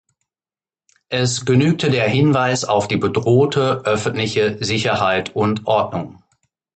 Es genügte der Hinweis auf die bedrohte öffentliche Sicherheit und Ordnung.